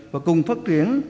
và cùng phát triển